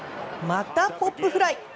また、ポップフライ。